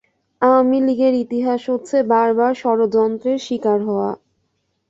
আওয়ামী লীগের ইতিহাস হচ্ছে বারবার ষড়যন্ত্রের শিকার হওয়া।